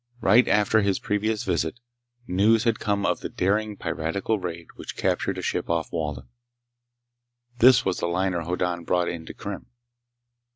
Right after his previous visit, news had come of the daring piratical raid which captured a ship off Walden. This was the liner Hoddan'd brought in to Krim.